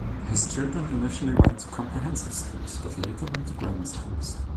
His children initially went to comprehensive schools, but later went to grammar schools.